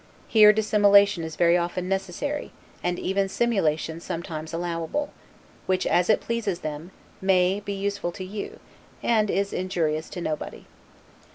Here dissimulation is very often necessary, and even simulation sometimes allowable; which, as it pleases them, may, be useful to you, and is injurious to nobody.